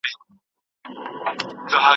د دروغو بازار يې کمزوری کړ.